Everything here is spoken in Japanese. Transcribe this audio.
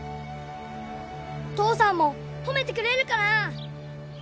父さんも褒めてくれるかな？